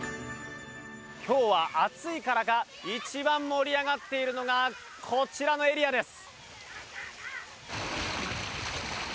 今日は暑いからか一番盛り上がっているのがこちらのエリアです。